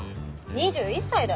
２１歳だよ。